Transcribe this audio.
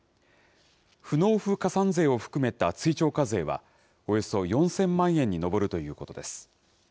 不納付加算税を含めた追徴課税は、およそ４０００万円に上るということです。